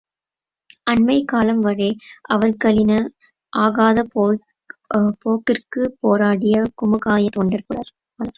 அண்மைக் காலம் வரை அவர்களின ஆகாத போக்கிற்குப் போராடிய குமுகாயத் தொண்டர் பலர்.